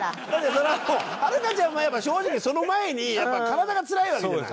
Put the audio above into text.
それはもうはるかちゃんは正直その前にやっぱ体がつらいわけじゃない。